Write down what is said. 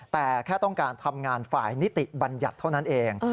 แต่แค่ต้องการทำงานฝ่ายนิติบัญญัติเท่านั้นเอง